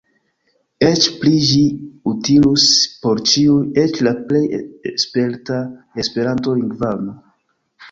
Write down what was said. Eĉ pli – ĝi utilus por ĉiu, eĉ la plej sperta Esperanto-lingvano.